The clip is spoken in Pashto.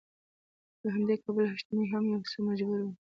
له همدې کبله حشمتی هم يو څه مجبور و.